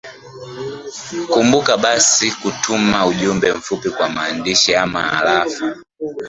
kumbuka basi kutuma ujumbe mfupi wa maandishi ama arafa